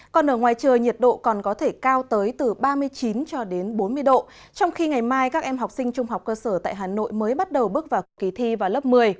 còn ở ngoài trời nhiệt độ còn có thể cao tới từ ba mươi chín cho đến bốn mươi độ trong khi ngày mai các em học sinh trung học cơ sở tại hà nội mới bắt đầu bước vào kỳ thi vào lớp một mươi